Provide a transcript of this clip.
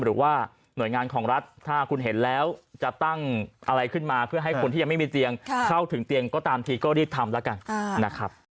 หรือว่าหน่วยงานของรัฐถ้าคุณเห็นแล้วจะตั้งอะไรขึ้นมา